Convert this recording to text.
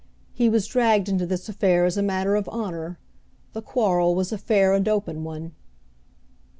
He was dragged into this affair as a matter of honor; the quarrel was a fair and open one."